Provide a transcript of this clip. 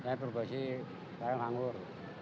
saya profesi sekarang anggur